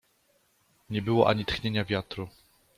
Nie było ani tchnienia wiatru.